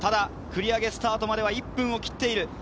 繰り上げスタートまでは１分を切っている。